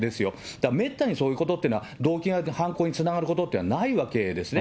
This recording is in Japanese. だからめったにそういうことというのは、動機が犯行につながることっていうのはないわけですね。